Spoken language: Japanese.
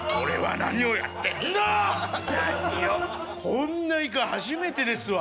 こんなイカ初めてですわ。